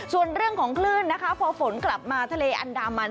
ส่วนเรื่องของคลื่นนะคะพอฝนกลับมาทะเลอันดามัน